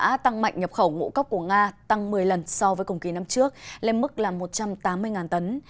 đã tăng mạnh nhập khẩu ngũ cốc của nga tăng một mươi lần so với cùng kỳ năm trước lên mức là một trăm tám mươi tấn